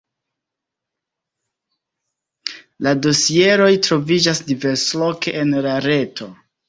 La dosieroj troviĝas diversloke en la reto.